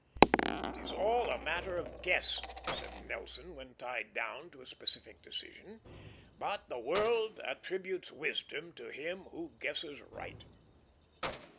"It is all a matter of guess," said Nelson, when tied down to a specific decision, "but the world attributes wisdom to him who guesses right."